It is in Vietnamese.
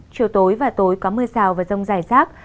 chiều tối và tối có mưa rào và rông dài rác